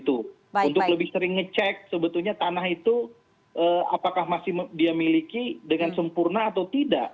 untuk lebih sering ngecek sebetulnya tanah itu apakah masih dia miliki dengan sempurna atau tidak